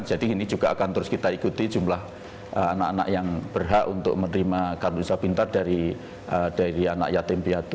jadi ini juga akan terus kita ikuti jumlah anak anak yang berhak untuk menerima kartu indonesia pintar dari anak yatim piatu